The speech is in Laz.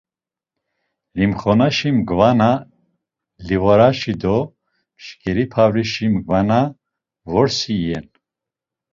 Limxonaşi mgvana, livoraşi do mşǩeri pavrişi mgvana vorsi iyen.